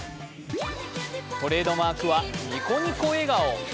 トレードマークはニコニコ笑顔。